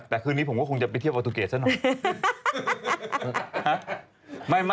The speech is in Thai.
แต่คืนนี้ผมก็คงจะไปเที่ยวออตุเกตซะหน่อย